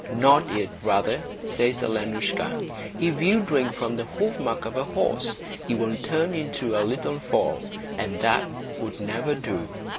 "Not yet, brother," says Alenoushka. "If you drink from the hoofmark of a horse, you will turn into a little foal, and that would never do."